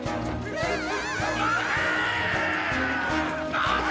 待て！！